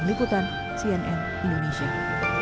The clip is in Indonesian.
iputan cnn indonesia